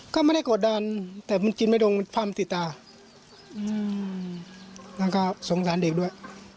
ก็ไม่ได้กดดันแต่มันกินไม่ตรงความติดตาแล้วก็สงสารเด็กด้วย